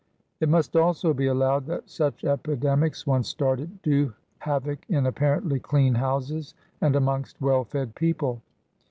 It must also be allowed that such epidemics, once started, do havoc in apparently clean houses and amongst well fed people.